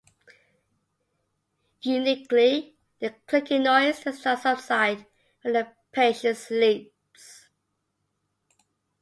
Uniquely, the clicking noise does not subside when the patient sleeps.